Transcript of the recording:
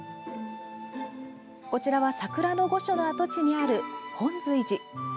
こちらは桜の御所の跡地にある本瑞寺。